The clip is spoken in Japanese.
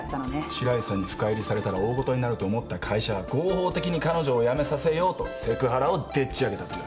白石さんに深入りされたら大事になると思った会社は合法的に彼女を辞めさせようとセクハラをでっちあげたという。